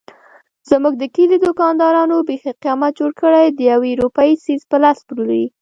زموږ د کلي دوکاندارانو بیخي قیامت جوړ کړی دیوې روپۍ څيز په لس پلوري.